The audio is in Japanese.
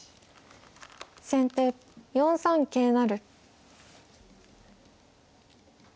先手４三桂成。